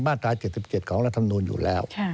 มาตรา๗๗ของรัฐมนูลอยู่แล้ว